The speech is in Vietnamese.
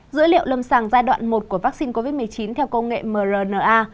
dữ liệu lâm sàng giai đoạn một của vaccine covid một mươi chín theo công nghệ mrna